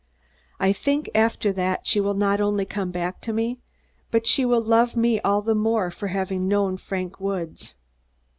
I think, after that, she will not only come back to me, but she will love me all the more for having known Frank Woods.